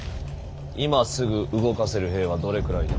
今すぐ動かせる兵はどれくらいだ。